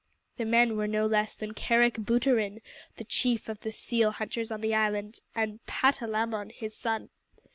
The men were no less than Kerick Booterin, the chief of the seal hunters on the island, and Patalamon, his son.